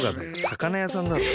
魚屋さんだろ。